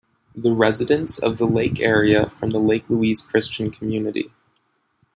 The residents of the lake area form the Lake Louise Christian Community.